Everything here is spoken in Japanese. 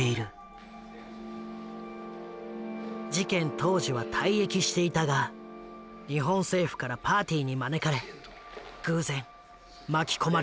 事件当時は退役していたが日本政府からパーティーに招かれ偶然巻き込まれた。